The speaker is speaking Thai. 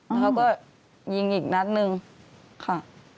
แล้วเขาก็ยิงอีกนัดนึงค่ะ